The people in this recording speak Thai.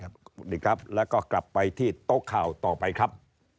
สวัสดีครับแล้วก็กลับไปที่โต๊ะข่าวต่อไปครับ